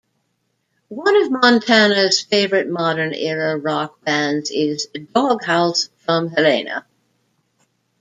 One of Montana's favorite modern era rock bands is Dawghouse from Helena.